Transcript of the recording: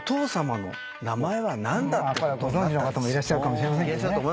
ご存じの方もいらっしゃるかもしれませんけど。